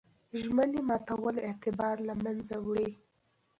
ژمنې ماتول اعتبار له منځه وړي.